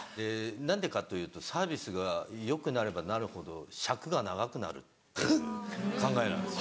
何でかというとサービスがよくなればなるほど尺が長くなるっていう考えなんです。